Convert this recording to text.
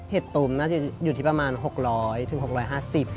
ตูมน่าจะอยู่ที่ประมาณ๖๐๐๖๕๐บาท